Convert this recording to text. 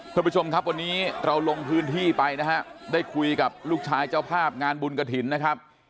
ท่านผู้ชมครับวันนี้เราลงพื้นที่ไปนะฮะได้คุยกับลูกชายเจ้าภาพงานบุญกระถิ่นนะครับ